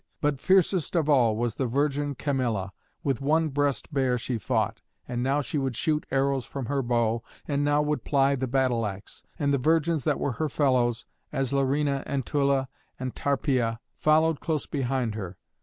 But fiercest of all was the virgin Camilla. With one breast bare she fought; and now she would shoot arrows from her bow, and now would ply the battle axe. And the virgins that were her fellows, as Larina and Tulla and Tarpeia, followed close behind her.